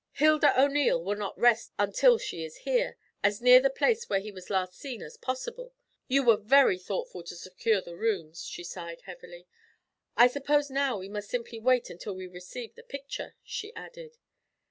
'Hilda O'Neil will not rest until she is here, as near the place where he was last seen as possible. You were very thoughtful to secure the rooms,' she sighed heavily. 'I suppose now we must simply wait until we receive the picture?' she added.